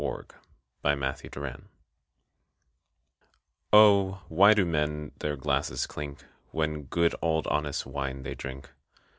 THE FIVE SENSES Oh, why do men their glasses clink When good old honest wine they drink?